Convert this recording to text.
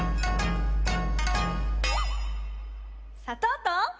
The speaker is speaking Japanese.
「さとう」と。